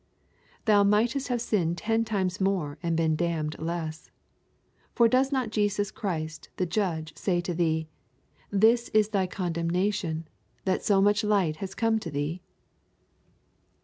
Thou mightest have sinned ten times more and been damned less. For does not Jesus Christ the Judge say to thee, This is thy condemnation, that so much light has come to thee?'